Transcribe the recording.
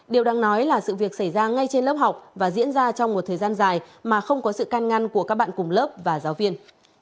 điều đáng nói là sự việc xảy ra ngay trên lớp học và diễn ra trong một thời gian dài mà không có sự can ngăn của các bạn cùng lớp và giáo viên